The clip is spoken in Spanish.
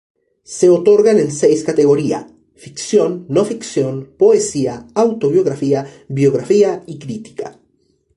Se otorgan en seis categoría: Ficción, No Ficción, Poesía, Autobiografía, Biografía, y Crítica.